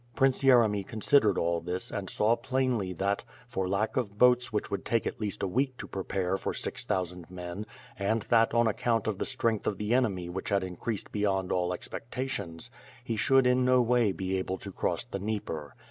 Prince Yeremy considered all this and saw plainly that, for lack of boats which would 'take at least a week to prepare for six thous and men, and that on account of the strength of the enemy which had increased beyond all expectations, he should in no way be able to cross the Dnieper.